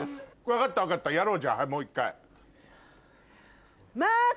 分かった分かったやろうじゃもう一回。